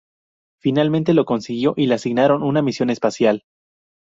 Finalmente lo consiguió y le asignaron una misión espacial.